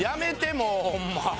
もうホンマ。